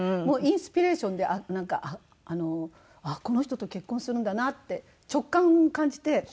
もうインスピレーションでなんかあっこの人と結婚するんだなって直感を感じて。